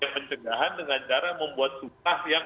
mencegahan dengan cara membuat sutah yang